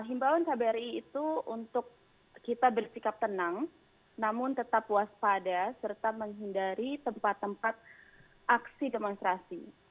himbawan kbri itu untuk kita bersikap tenang namun tetap waspada serta menghindari tempat tempat aksi demonstrasi